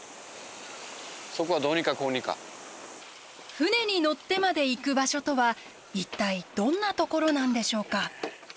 船に乗ってまで行く場所とは一体どんなところなんでしょうか。